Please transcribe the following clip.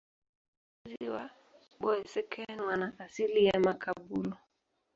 Wazazi wa Boeseken wana asili ya Makaburu.